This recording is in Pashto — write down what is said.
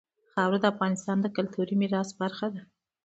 خاوره د افغانستان د کلتوري میراث برخه ده.